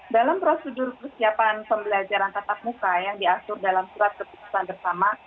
dalam prosedur persiapan pembelajaran tatap muka yang diatur dalam surat keputusan bersama